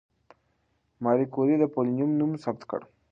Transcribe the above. ماري کوري د پولونیم نوم ثبت کړ.